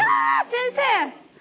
先生。